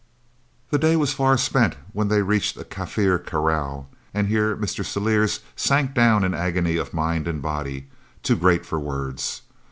The day was far spent when they reached a Kaffir kraal, and here Mr. Celliers sank down in agony of mind and body, too great for words.